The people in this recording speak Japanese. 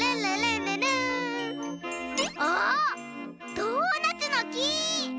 ドーナツのき！